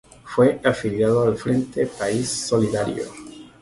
Fue afiliado al Frente País Solidario.